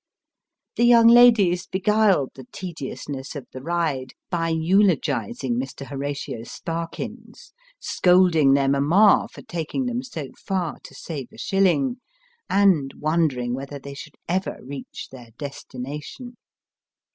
The young ladies beguiled tho tediousness of the ride by eulogising Mr. Horatio Sparkins, scolding their mamma for taking them so far to save a shilling, and wondering whether they should ever reach their destination.